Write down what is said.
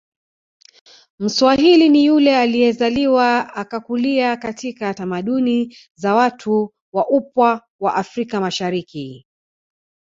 Mswahili ni yule aliyezaliwa akakulia katika tamaduni za watu wa upwa wa afrika mashariki